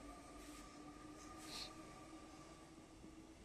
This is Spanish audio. El actual jefe de la Diócesis es el Obispo Paul Joseph Bradley.